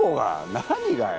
何がよ。